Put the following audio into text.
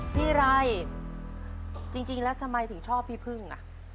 ไรจริงแล้วทำไมถึงชอบพี่พึ่งอ่ะ